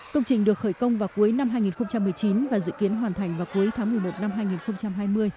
công trình được khởi công vào cuối năm hai nghìn một mươi chín và dự kiến hoàn thành vào cuối tháng một mươi một năm hai nghìn hai mươi